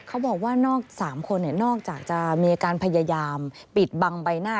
เขาบอกว่านอก๓คนนอกจากจะมีอาการพยายามปิดบังใบหน้า